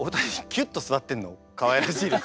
キュッと座ってんのかわいらしいです。